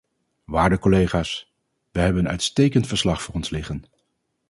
Waarde collega's, wij hebben een uitstekend verslag voor ons liggen.